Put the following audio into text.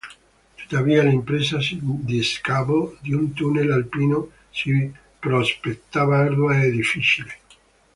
Tuttavia l'impresa di scavo di un tunnel alpino si prospettava ardua e difficile.